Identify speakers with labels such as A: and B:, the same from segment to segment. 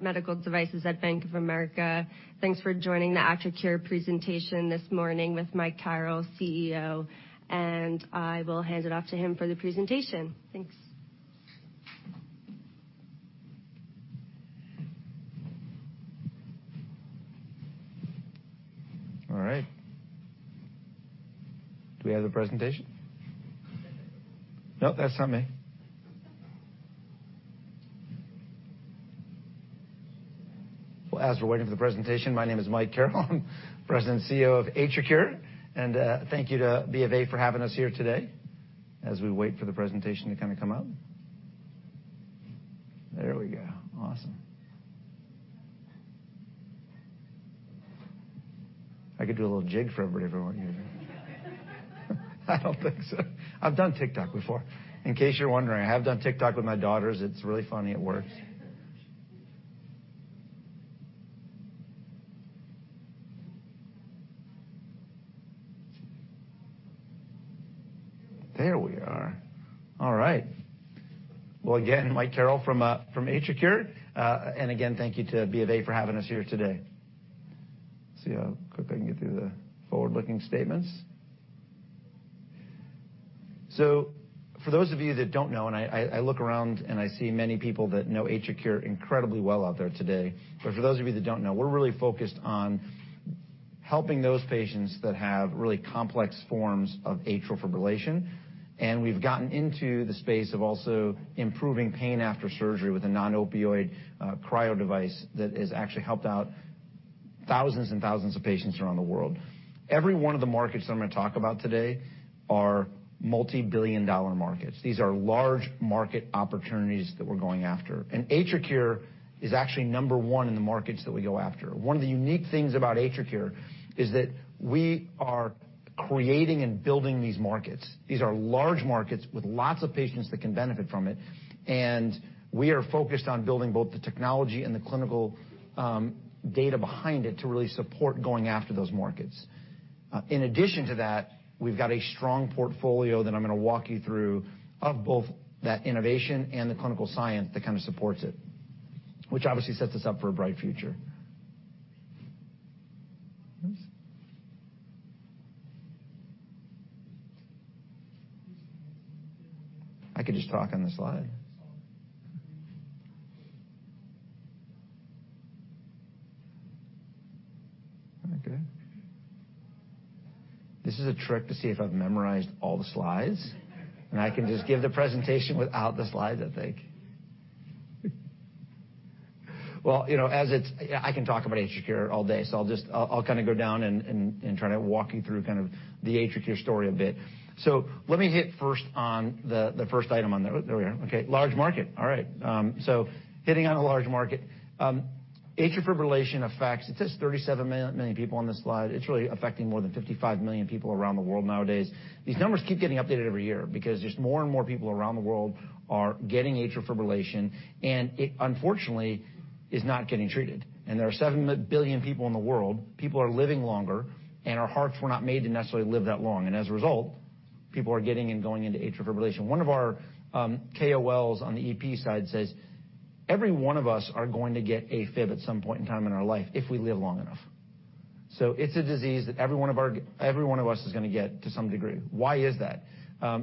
A: For medical devices at Bank of America. Thanks for joining AtriCure presentation this morning with Michael Carrel, CEO. I will hand it off to him for the presentation. Thanks.
B: All right. Do we have the presentation? Nope, that's not me. Well, as we're waiting for the presentation, my name is Mike Carrel, President and CEO AtriCure. thank you to B of A for having us here today, as we wait for the presentation to kinda come up. There we go. Awesome. I could do a little jig for everybody if I want to. I don't think so. I've done TikTok before. In case you're wondering, I have done TikTok with my daughters. It's really funny. It works. There we are. All right. Well, again, Mike Carrel AtriCure. again, thank you to B of A for having us here today. Let's see how quick I can get through the forward-looking statements. For those of you that don't know, I look around and I see many people that AtriCure incredibly well out there today, but for those of you that don't know, we're really focused on helping those patients that have really complex forms of atrial fibrillation. We've gotten into the space of also improving pain after surgery with a non-opioid cryo device that has actually helped out thousands and thousands of patients around the world. Every one of the markets that I'm gonna talk about today are multi-billion-dollar markets. These are large market opportunities that we're going AtriCure is actually number one in the markets that we go after. One of the unique things AtriCure is that we are creating and building these markets. These are large markets with lots of patients that can benefit from it, and we are focused on building both the technology and the clinical data behind it to really support going after those markets. In addition to that, we've got a strong portfolio that I'm gonna walk you through of both that innovation and the clinical science that kind of supports it, which obviously sets us up for a bright future. I could just talk on the slide. Okay. This is a trick to see if I've memorized all the slides. I can just give the presentation without the slides, I think. Well, you know, I can talk AtriCure all day, so I'll kind of go down and try to walk you through kind of AtriCure story a bit. Let me hit first on the first item on there. There we are. Okay. Large market. All right. Hitting on a large market. Atrial fibrillation affects. It says 37 million people on this slide. It's really affecting more than 55 million people around the world nowadays. These numbers keep getting updated every year because just more and more people around the world are getting atrial fibrillation, and it, unfortunately, is not getting treated. There are 7 billion people in the world. People are living longer, and our hearts were not made to necessarily live that long. As a result, people are getting and going into atrial fibrillation. One of our KOLs on the EP side says every one of us are going to get AFib at some point in time in our life if we live long enough. It's a disease that every one of us is gonna get to some degree. Why is that?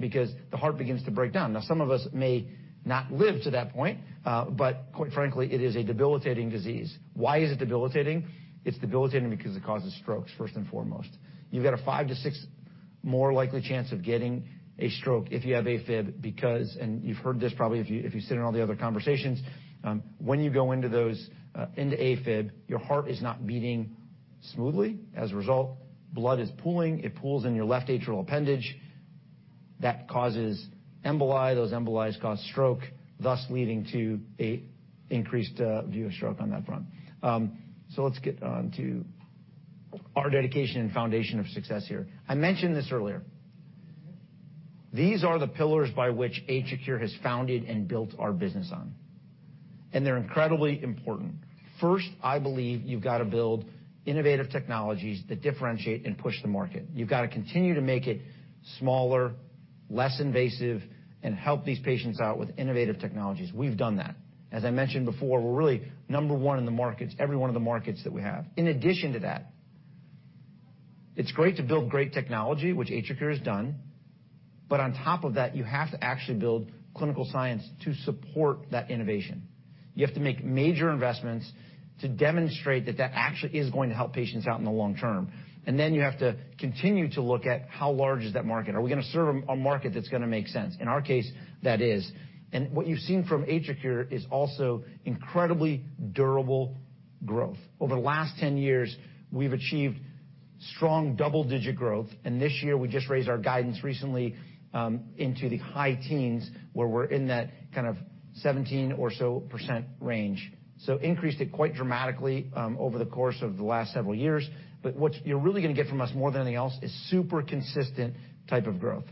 B: Because the heart begins to break down. Some of us may not live to that point, but quite frankly, it is a debilitating disease. Why is it debilitating? It's debilitating because it causes strokes, first and foremost. You've got a 5 to 6 more likely chance of getting a stroke if you have AFib because, and you've heard this probably if you sit in all the other conversations, when you go into those into AFib, your heart is not beating smoothly. As a result, blood is pooling. It pools in your left atrial appendage. That causes emboli. Those emboli cause stroke, thus leading to a increased view of stroke on that front. Let's get on to our dedication and foundation of success here. I mentioned this earlier. These are the pillars by AtriCure has founded and built our business on, and they're incredibly important. First, I believe you've gotta build innovative technologies that differentiate and push the market. You've gotta continue to make it smaller, less invasive, and help these patients out with innovative technologies. We've done that. As I mentioned before, we're really number one in the markets, every one of the markets that we have. In addition to that, it's great to build great technology, AtriCure has done. On top of that, you have to actually build clinical science to support that innovation. You have to make major investments to demonstrate that that actually is going to help patients out in the long term. You have to continue to look at how large is that market. Are we gonna serve a market that's gonna make sense? In our case, that is. What you've seen AtriCure is also incredibly durable growth. Over the last 10 years, we've achieved strong double-digit growth, and this year we just raised our guidance recently into the high teens, where we're in that kind of 17% or so range. Increased it quite dramatically over the course of the last several years. What you're really gonna get from us more than anything else is super consistent type of growth.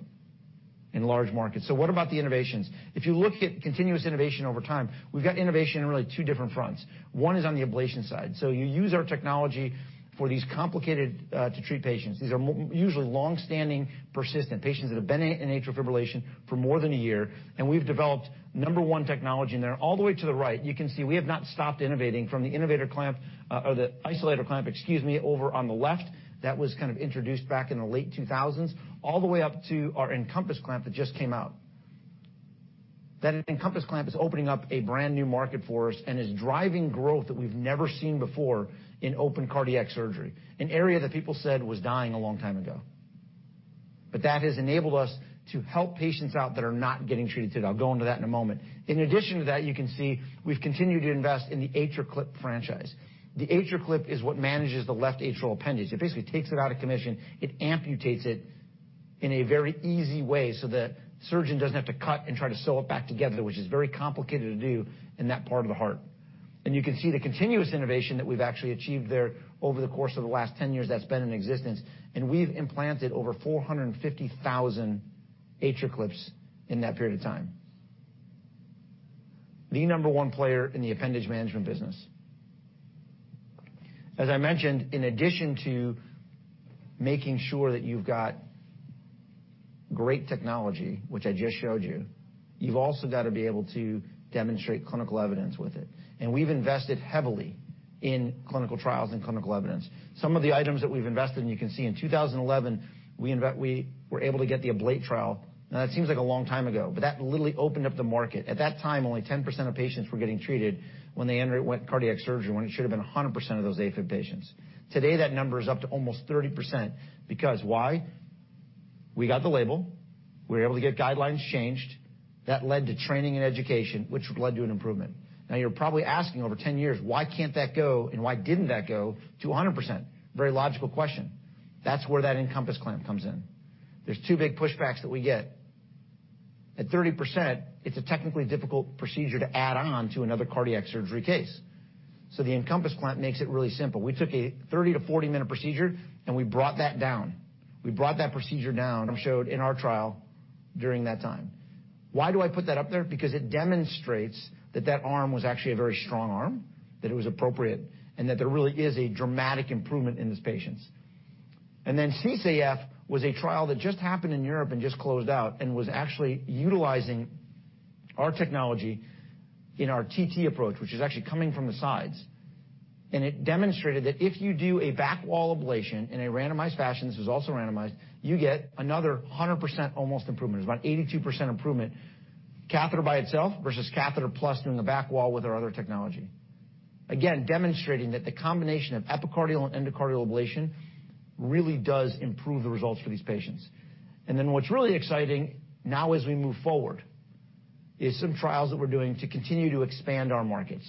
B: In large markets. What about the innovations? If you look at continuous innovation over time, we've got innovation in really 2 different fronts. One is on the ablation side. You use our technology for these complicated to treat patients. These are usually long-standing, persistent patients that have been in atrial fibrillation for more than a year, and we've developed number one technology in there. All the way to the right, you can see we have not stopped innovating from the Isolator Clamp, excuse me, over on the left that was kind of introduced back in the late 2000s all the way up to EnCompass clamp that just came out. EnCompass clamp is opening up a brand-new market for us and is driving growth that we've never seen before in open cardiac surgery, an area that people said was dying a long time ago. That has enabled us to help patients out that are not getting treated today. I'll go into that in a moment. In addition to that, you can see we've continued to invest in AtriClip franchise. AtriClip is what manages the left atrial appendage. It basically takes it out of commission. It amputates it in a very easy way so the surgeon doesn't have to cut and try to sew it back together, which is very complicated to do in that part of the heart. You can see the continuous innovation that we've actually achieved there over the course of the last 10 years that's been in existence, and we've implanted over AtriClips in that period of time. The number one player in the appendage management business. As I mentioned, in addition to making sure that you've got great technology, which I just showed you've also got to be able to demonstrate clinical evidence with it. We've invested heavily in clinical trials and clinical evidence. Some of the items that we've invested, you can see in 2011, we were able to get the ABLATE trial. Now, that seems like a long time ago, that literally opened up the market. At that time, only 10% of patients were getting treated when they went cardiac surgery, when it should have been 100% of those AFib patients. Today, that number is up to almost 30% because why? We got the label. We were able to get guidelines changed. That led to training and education, which led to an improvement. Now, you're probably asking over 10 years, why can't that go and why didn't that go to 100%? Very logical question. That's whereEnCompass clamp comes in. There's two big pushbacks that we get. At 30%, it's a technically difficult procedure to add on to another cardiac surgery case. EnCompass clamp makes it really simple. We took a 30 - 40 minute procedure and we brought that down. We brought that procedure down and showed in our trial during that time. Why do I put that up there? Because it demonstrates that that arm was actually a very strong arm, that it was appropriate, and that there really is a dramatic improvement in these patients. CCAF was a trial that just happened in Europe and just closed out and was actually utilizing our technology in our TT approach, which is actually coming from the sides. It demonstrated that if you do a back-wall ablation in a randomized fashion, this was also randomized, you get another 100% almost improvement. It's about 82% improvement catheter by itself versus catheter plus doing the back wall with our other technology. Again, demonstrating that the combination of epicardial and endocardial ablation really does improve the results for these patients. What's really exciting now as we move forward is some trials that we're doing to continue to expand our markets.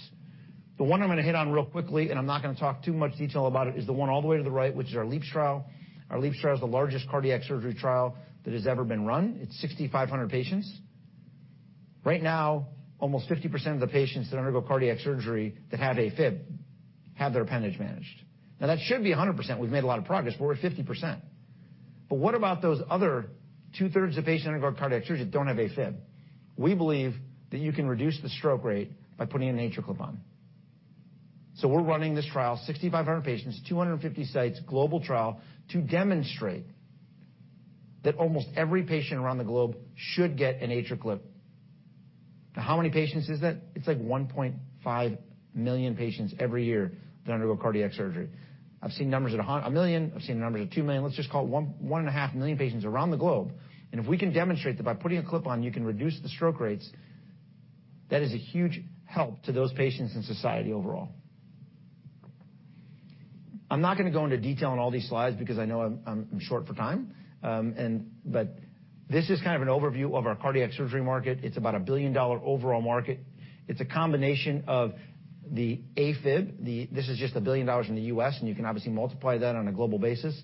B: The one I'm going to hit on real quickly, and I'm not going to talk too much detail about it, is the one all the way to the right, which is our LeAAPS trial. Our LeAAPS trial is the largest cardiac surgery trial that has ever been run. It's 6,500 patients. Right now, almost 50% of the patients that undergo cardiac surgery that have AFib have their appendage managed. Now, that should be 100%. We've made a lot of progress. We're at 50%. What about those other two-thirds of patients that undergo cardiac surgery that don't have AFib? We believe that you can reduce the stroke rate by putting AtriClip on. We're running this trial, 6,500 patients, 250 sites, global trial, to demonstrate that almost every patient around the globe should get AtriClip. how many patients is that? It's like 1.5 million patients every year that undergo cardiac surgery. I've seen numbers at 1 million. I've seen numbers at 2 million. Let's just call it 1.5 million patients around the globe, and if we can demonstrate that by putting a clip on, you can reduce the stroke rates, that is a huge help to those patients and society overall. I'm not going to go into detail on all these slides because I know I'm short for time, and, but this is kind of an overview of our cardiac surgery market. It's about a billion-dollar overall market. It's a combination of the AFib. This is just $1 billion in the U.S., and you can obviously multiply that on a global basis.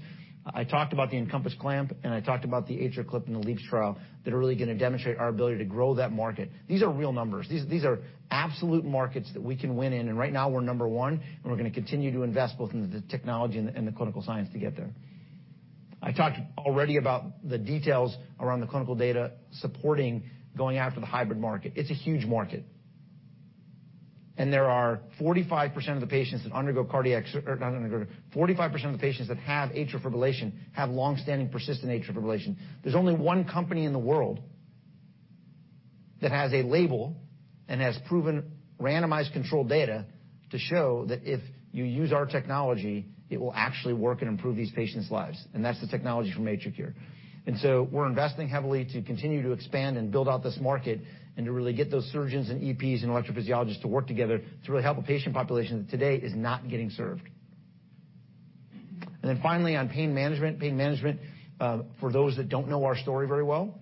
B: I talked aboutEnCompass clamp, and I talked about AtriClip and the LeAAPS trial that are really going to demonstrate our ability to grow that market. These are real numbers. These are absolute markets that we can win in, and right now, we're number one, and we're going to continue to invest both in the technology and the clinical science to get there. I talked already about the details around the clinical data supporting going after the hybrid market. It's a huge market. There are 45% of the patients that have atrial fibrillation have long-standing persistent atrial fibrillation. There's only one company in the world that has a label and has proven randomized controlled data to show that if you use our technology, it will actually work and improve these patients' lives, and that's the technology AtriCure. we're investing heavily to continue to expand and build out this market and to really get those surgeons and EPs and electrophysiologists to work together to really help a patient population that today is not getting served. Finally, on pain management, for those that don't know our story very well,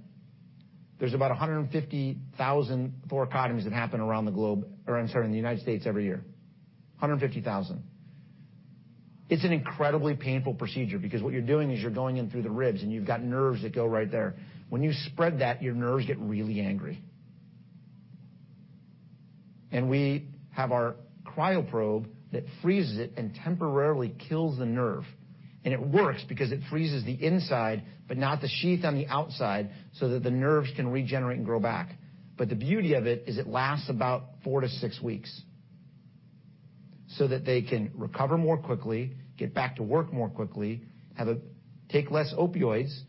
B: there's about 150,000 thoracotomies that happen around the globe, or I'm sorry, in the United States every year. 150,000. It's an incredibly painful procedure because what you're doing is you're going in through the ribs and you've got nerves that go right there. When you spread that, your nerves get really angry. We have our cryoprobe that freezes it and temporarily kills the nerve. It works because it freezes the inside, but not the sheath on the outside, so that the nerves can regenerate and grow back. The beauty of it is it lasts about 4 to 6 weeks so that they can recover more quickly, get back to work more quickly, take less opioids.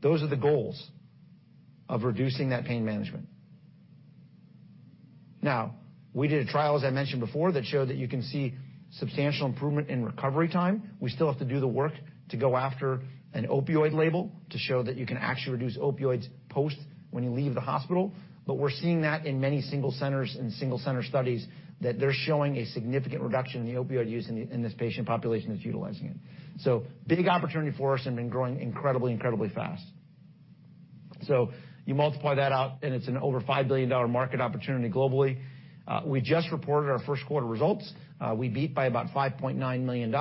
B: Those are the goals of reducing that pain management. We did a trial, as I mentioned before, that showed that you can see substantial improvement in recovery time. We still have to do the work to go after an opioid label to show that you can actually reduce opioids post when you leave the hospital. We're seeing that in many single centers and single-center studies that they're showing a significant reduction in the opioid use in this patient population that's utilizing it. Big opportunity for us and been growing incredibly fast. You multiply that out, and it's an over $5 billion market opportunity globally. We just reported our first quarter results. We beat by about $5.9 million.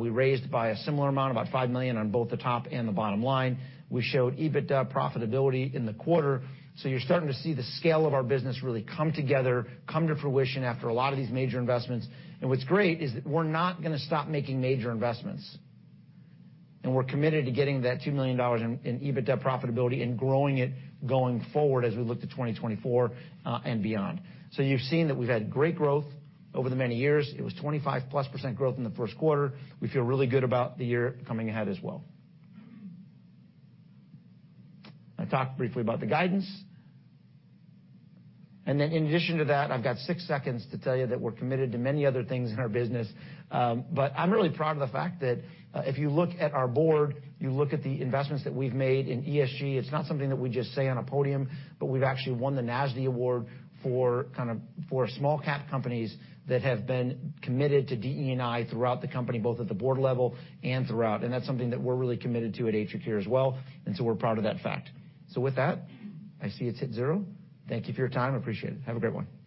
B: We raised by a similar amount, about $5 million, on both the top and the bottom line. We showed EBITDA profitability in the quarter. You're starting to see the scale of our business really come together, come to fruition after a lot of these major investments. What's great is that we're not gonna stop making major investments. We're committed to getting that $2 million in EBITDA profitability and growing it going forward as we look to 2024 and beyond. You've seen that we've had great growth over the many years. It was 25%+ growth in the first quarter. We feel really good about the year coming ahead as well. I talked briefly about the guidance. In addition to that, I've got six seconds to tell you that we're committed to many other things in our business. I'm really proud of the fact that, if you look at our board, you look at the investments that we've made in ESG, it's not something that we just say on a podium, but we've actually won the Nasdaq award for small cap companies that have been committed to DE&I throughout the company, both at the board level and throughout. That's something that we're really committed to AtriCure as well, we're proud of that fact. With that, I see it's hit 0. Thank you for your time. I appreciate it. Have a great one.